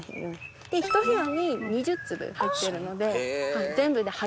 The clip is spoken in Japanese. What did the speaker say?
１部屋に２０粒入ってるので全部で８０粒。